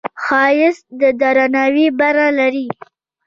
ښایست د درناوي بڼه لري